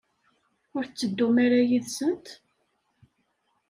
Ur tetteddum ara yid-sent?